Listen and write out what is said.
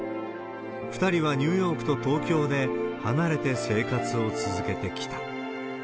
２人はニューヨークと東京で、離れて生活を続けてきた。